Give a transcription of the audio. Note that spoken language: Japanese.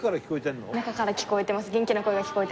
中から聞こえてます。